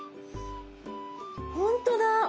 本当だ！